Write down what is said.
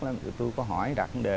tụi tôi có hỏi đặt đề